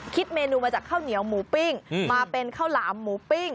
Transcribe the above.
เมนูมาจากข้าวเหนียวหมูปิ้งมาเป็นข้าวหลามหมูปิ้ง